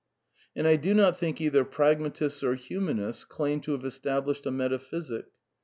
And I do not think either pragmatists or humanists claim to have established a metaphysic.